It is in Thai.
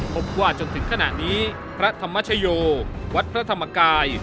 พบว่าจนถึงขณะนี้พระธรรมชโยวัดพระธรรมกาย